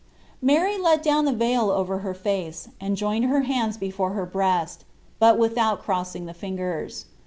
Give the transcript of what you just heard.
Mary let down the veil over her face, and joined her hands before her breast, but without crossing the ringers.